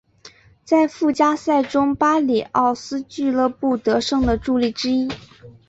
在附加赛中巴里奥斯俱乐部得胜的助力之一。